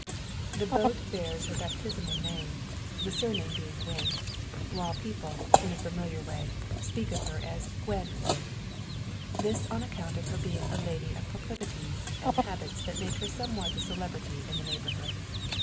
The boat bears her baptismal name, the surname being Wynn, while people, in a familiar way, speak of her as "Gwen Wynn;" this on account of her being a lady of proclivities and habits that make her somewhat of a celebrity in the neighbourhood.